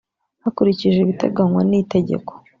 hakurikijwe ibiteganywa n’itegeko